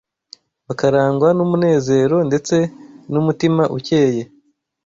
bakarangwa n’umunezero ndetse n’umutima ukeye